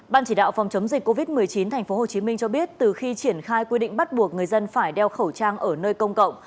ban chỉ đạo phòng chống dịch covid một mươi chín tp hcm cho biết từ khi triển khai quy định bắt buộc người dân phải đeo khẩu trang ở nơi công cộng